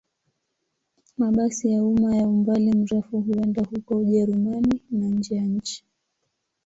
Mabasi ya umma ya umbali mrefu huenda huko Ujerumani na nje ya nchi.